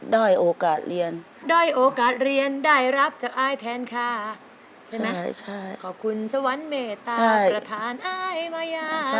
ได้ได้หรือด้อย